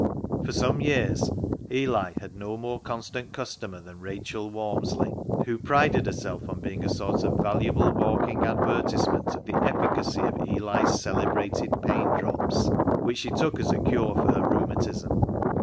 For some years Eli had had no more con stant customer than Rachel Walmsley, who prided herself on being a sort of valuable walk ing advertisement of the efficacy of Eli's cele brated " pain " drops, which she took as a cure for her rheumatism.